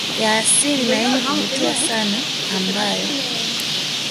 ya asili na yenye kuvutia sana ambayo